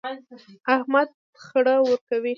احمد خړه ورکوي.